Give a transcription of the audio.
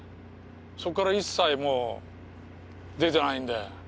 そこからいっさいもう出てないんで。